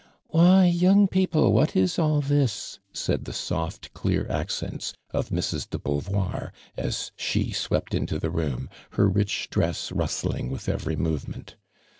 "Why, young people, what is all this?* said the soft, clear accer ts of Mrs. de Beau voir, as she swept into tho room, her rich dress rustling with every movement.